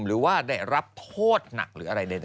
หรือว่าได้รับโทษหนักหรืออะไรใด